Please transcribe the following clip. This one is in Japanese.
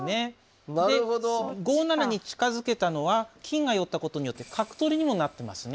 で５七に近づけたのは金が寄ったことによって角取りにもなってますね。